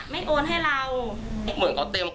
มันซื้อง่ายมาก